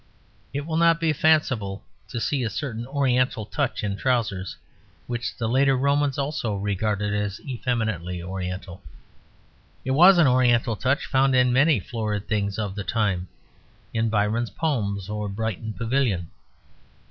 It will not be fanciful to see a certain oriental touch in trousers, which the later Romans also regarded as effeminately oriental; it was an oriental touch found in many florid things of the time in Byron's poems or Brighton Pavilion.